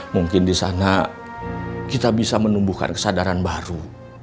mungkin disana kita bisa menumbuhkan kesadaran baru